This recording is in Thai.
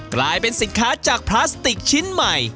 กลายเป็นสินค้าจากพลาสติกชิ้นใหม่